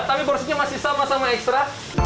tapi porsinya masih sama sama ekstra